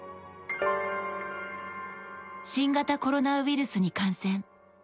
新型コロナウイルスに感染。